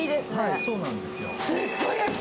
そうなんですよ。